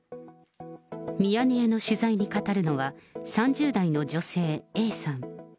ミヤネ屋の取材に語るのは、３０代の女性Ａさん。